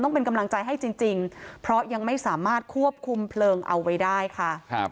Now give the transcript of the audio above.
กำลังใจให้จริงเพราะยังไม่สามารถควบคุมเพลิงเอาไว้ได้ค่ะ